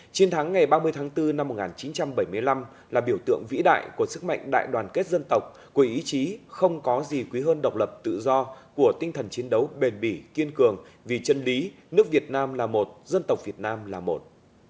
chiến thắng ngày ba mươi tháng bốn năm một nghìn chín trăm bảy mươi năm là biểu tượng vĩ đại của sức mạnh đại đoàn kết dân tộc của ý chí không có gì quý hơn độc lập tự do của tinh thần chiến đấu bền bỉ kiên cường vì chân lý nước việt nam là một dân tộc việt nam là một